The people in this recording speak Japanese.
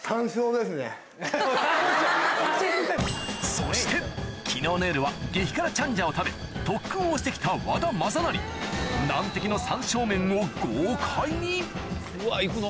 そして昨日の夜は激辛チャンジャを食べ特訓をして来た和田雅成難敵の山椒麺を豪快にうわ行くの？